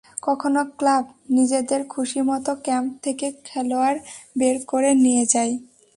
কখনো ক্লাব নিজেদের খুশিমতো ক্যাম্প থেকে খেলোয়াড় বের করে নিয়ে যায়।